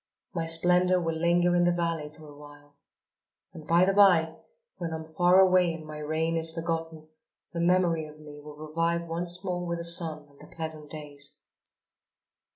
My splendour will linger in the valley for a while. And by the by, when I am far away and my reign is forgotten, the memory of me will revive once more with the sun and the pleasant days."